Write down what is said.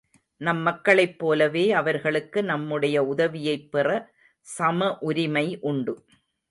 நம் மக்களைப் போலவே, அவர்களுக்கு நம்முடைய உதவியைப் பெற சம உரிமை உண்டு.